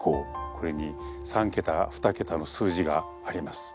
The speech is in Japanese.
これに３桁２桁の数字があります。